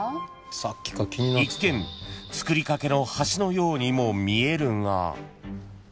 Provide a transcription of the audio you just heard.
［一見造りかけの橋のようにも見えるが］